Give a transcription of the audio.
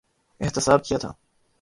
احتساب کیا تھا۔